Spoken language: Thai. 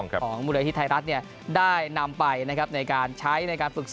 ของมุเลคิดไทยรัฐเนี่ยได้นำไปนะครับในการใช้ในการปลึกษอ